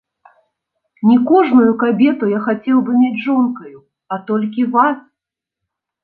Не кожную кабету я хацеў бы мець жонкаю, а толькі вас.